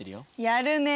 やるね。